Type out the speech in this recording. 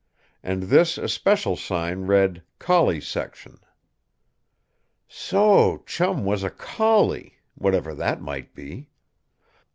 And this especial sign read "Collie Section." So Chum was a "collie" whatever that might be.